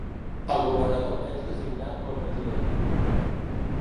El governador és designat pel president.